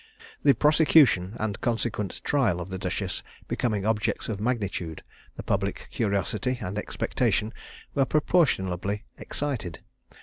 The prosecution and consequent trial of the duchess becoming objects of magnitude, the public curiosity and expectation were proportionably excited.